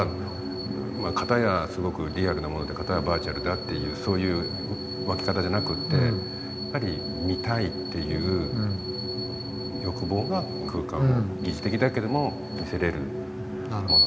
片やすごくリアルなもので片やバーチャルだっていうそういう分け方じゃなくてやっぱり「見たい」という欲望が空間を疑似的だけども見せれるものにしていったし。